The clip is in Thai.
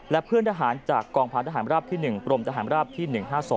และเพื่อนทหารจากกองพันธหารราบที่๑กรมทหารราบที่๑๕๒